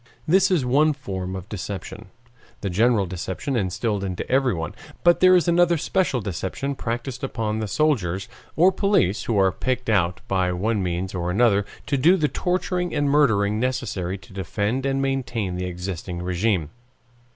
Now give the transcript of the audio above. This is one form of deception, the general deception instilled into everyone, but there is another special deception practiced upon the soldiers or police who are picked out by one means or another to do the torturing and murdering necessary to defend and maintain the existing RÉGIME.